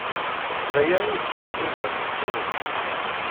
D aya ay tettxemmimed s tidet?